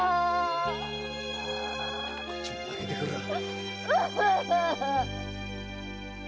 こっちも泣けてくらぁ。